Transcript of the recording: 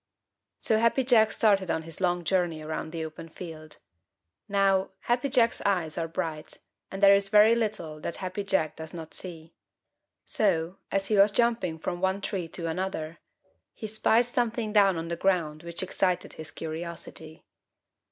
So Happy Jack started on his long journey around the open field. Now, Happy Jack's eyes are bright, and there is very little that Happy Jack does not see. So, as he was jumping from one tree to another, he spied something down on the ground which excited his curiosity.